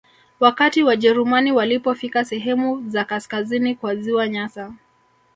Wakati Wajerumani walipofika sehemu za kaskazini kwa Ziwa Nyasa